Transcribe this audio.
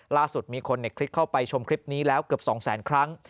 ล่าสุดมีคนในคลิปเข้าไปชมคลิปนี้แล้วเกือบ๒แสนครั้ง